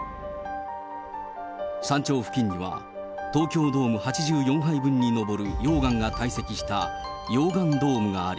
山頂付近には、東京ドーム８４杯分に上る溶岩が堆積した溶岩ドームがあり、